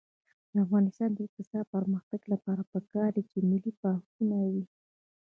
د افغانستان د اقتصادي پرمختګ لپاره پکار ده چې ملي پارکونه وي.